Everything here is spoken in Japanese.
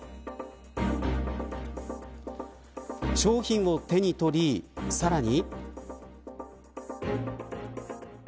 商品を手に取りさらに。